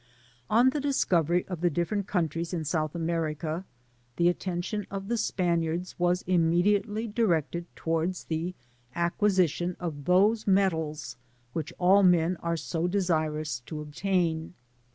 On the discovery of the different countries of South America, the attention of the Spaniards was imme diately directed towards the acquisition of those metals which all men are so desirous to obtain.